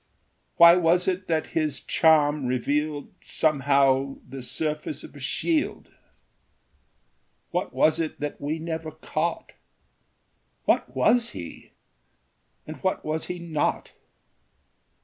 Why was it that his charm revealed Somehow the surface of a shield? What was it that we never caught? What was he, and what was he not?